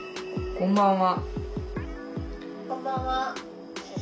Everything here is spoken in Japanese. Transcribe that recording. こんばんは。